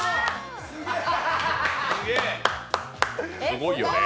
すごいよね。